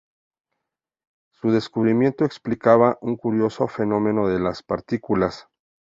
Su descubrimiento explicaba un curioso fenómeno de las partículas.